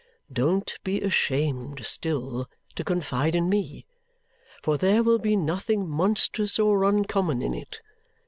don't be ashamed still to confide in me, for there will be nothing monstrous or uncommon in it.